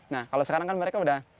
nah kalau sekarang kan mereka udah